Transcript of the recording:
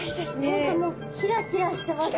本当もうキラキラしてますね。